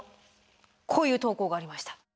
こういう投稿がありました。